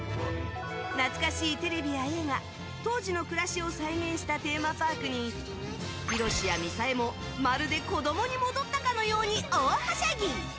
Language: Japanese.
懐かしいテレビや映画当時の暮らしを再現したテーマパークにひろしやみさえもまるで子供に戻ったかのように大はしゃぎ。